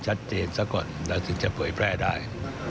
ชัดเจนสักก่อนแล้วถึงจะปล่อยแพร่ได้